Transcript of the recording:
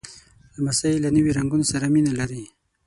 لمسی له نوي رنګونو سره مینه لري.